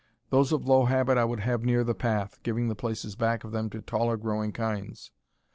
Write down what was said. Those of low habit I would have near the path, giving the places back of them to taller growing kinds.